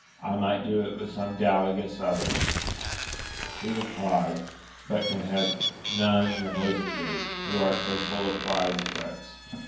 I might do it with some doubt against others, he replied, but can have none in opposing thee, who art so full of pride and threats.